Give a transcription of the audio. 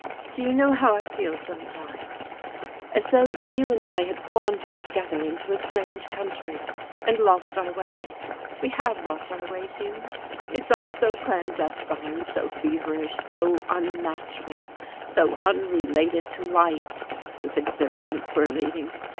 "Do you know how I feel sometimes? as though you and I had wandered together into a strange country, and lost our way. We have lost our way, Hugh it's all so clandestine, so feverish, so unnatural, so unrelated to life, this existence we're leading.